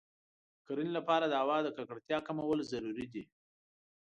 د کرنې لپاره د هوا د ککړتیا کمول ضروري دی.